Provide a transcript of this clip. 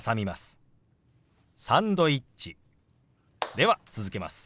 では続けます。